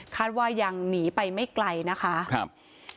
ว่ายังหนีไปไม่ไกลนะคะครับ